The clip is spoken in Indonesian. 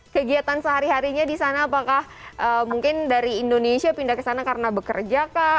kegiatan sehari harinya di sana apakah mungkin dari indonesia pindah ke sana karena bekerja kah